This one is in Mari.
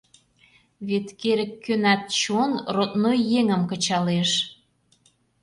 Вет керек-кӧнат чон родной еҥым кычалеш.